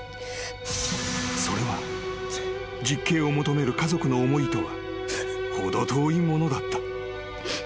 ［それは実刑を求める家族の思いとは程遠いものだった］